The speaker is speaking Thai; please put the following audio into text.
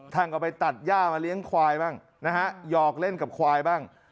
ท่านก็ไปตัดย่ามาเลี้ยงควายบ้างนะฮะหยอกเล่นกับควายบ้าง